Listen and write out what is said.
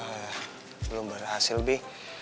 eh belum berhasil be